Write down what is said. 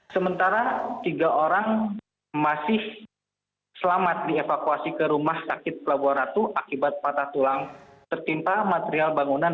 sementara tiga orang masih selamat dievakuasi ke rumah sakit pelabuhan ratu akibat patah tulang tertimpa material bangunan